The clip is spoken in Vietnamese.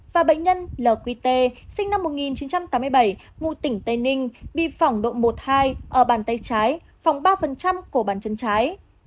và bệnh nhân l q t sinh năm một nghìn chín trăm tám mươi bảy ngụ tỉnh tây ninh bị phỏng độ một hai ở bàn tay trái phỏng ba của bàn chân trái